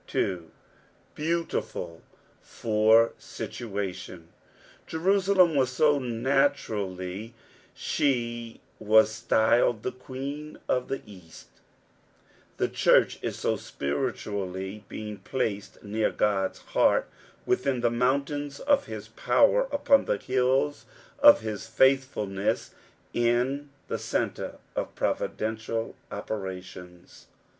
2. ^^ Beavtfful /<^ titvatum," Jerusalem nas so naturally, she was styled the Queen of the East ; the church is so epiritually, being placed near God's heart, vithin the mountains of his power, upon the hills of his faithfulness, in the centre of proridential operations.